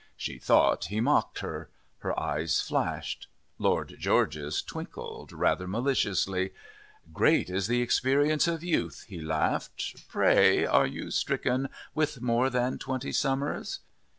She thought he mocked her; her eyes flashed. Lord George's twinkled rather maliciously. "Great is the experience of youth," he laughed. "Pray, are you stricken with more than twenty summers?"